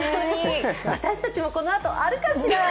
私たちもこのあと、あるかしら？